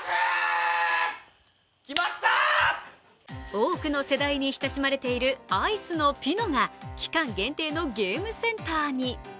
多くの世代に親しまれているアイスのピノが期間限定のゲームセンターに。